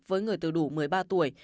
với người từ đủ một mươi ba tuổi